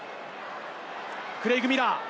クレイグ・ミラー。